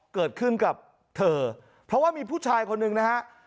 เกิดขึ้นกับเธอเพราะว่ามีผู้ชายคนหนึ่งนะฮะ